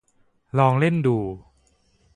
ลองเล่นดู